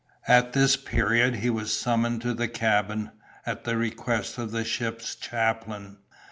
At this period he was summoned to the cabin, at the request of the ship's chaplain.